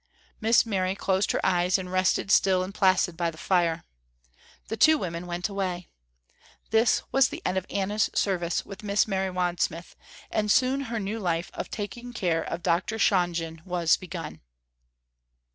Miss Mary closed her eyes and rested still and placid by the fire. The two women went away. This was the end of Anna's service with Miss Mary Wadsmith, and soon her new life taking care of Dr. Shonjen was begun.